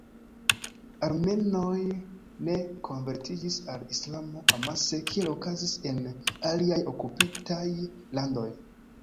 Armenoj ne konvertiĝis al Islamo amase kiel okazis en aliaj okupitaj landoj.